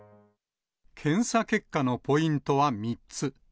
検査結果のポイントは３つ。